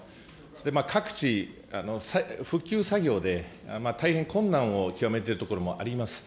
各地、復旧作業で大変困難を極めている所もあります。